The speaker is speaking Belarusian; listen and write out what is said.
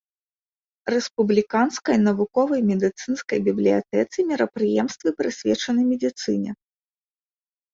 Рэспубліканскай навуковай медыцынскай бібліятэцы мерапрыемствы прысвечаны медыцыне.